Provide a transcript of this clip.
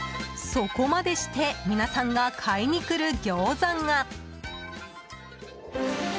そこまでして皆さんが買いに来る餃子が。